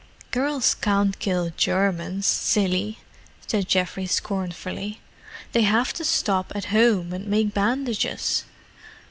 "Girls can't kill Germans, silly," said Geoffrey scornfully. "They have to stop at home and make bandages."